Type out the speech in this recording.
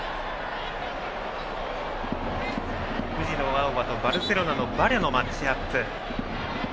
藤野あおばと、バルセロナのバリャのマッチアップ。